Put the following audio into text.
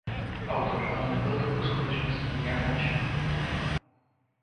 Autor ale nebyl touto skutečností nijak nadšen.